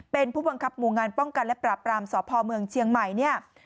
เป็นผู้บังคับหมู่งานป้องกันและปราบรามสพเมืองเชียงใหม่เนี่ย